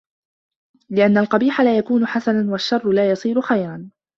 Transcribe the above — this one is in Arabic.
لِأَنَّ الْقَبِيحَ لَا يَكُونُ حَسَنًا وَالشَّرَّ لَا يَصِيرُ خَيْرًا